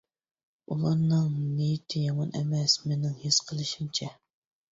ئۇلارنىڭ نىيىتى يامان ئەمەس مېنىڭ ھېس قىلىشىمچە.